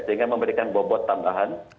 sehingga memberikan bobot tambahan